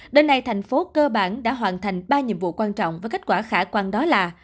đời này thành phố cơ bản đã hoàn thành ba nhiệm vụ quan trọng và kết quả khả quan đó là